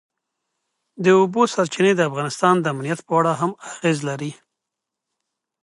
د اوبو سرچینې د افغانستان د امنیت په اړه هم اغېز لري.